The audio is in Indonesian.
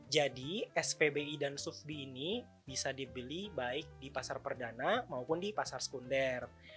jadi spbi dan sufbi ini bisa dibeli baik di pasar perdana maupun di pasar sekunder